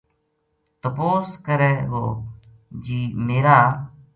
تپوس کرے گو جی میرا